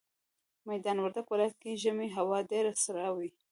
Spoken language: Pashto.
ميدان وردګ ولايت کي ژمي هوا ډيره سړه وي